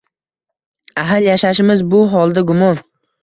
Ahil yashashimiz bu holda gumon